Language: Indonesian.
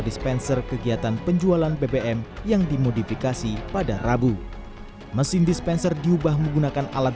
dispenser kegiatan penjualan bbm yang dimodifikasi pada rabu mesin dispenser diubah menggunakan alat